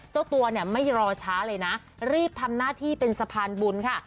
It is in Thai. เจ้าตัวเนี่ยไม่รอช้าเลยนะรีบทำหน้าที่เป็นสะพานบุญค่ะ